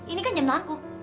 ini kan jam tanganku